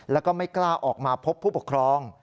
แล้วก็ไม่กล้าออกมาพบผู้ปกครอง